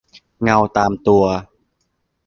เงาตามตัว